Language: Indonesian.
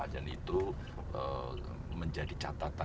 dan itu menjadi catatan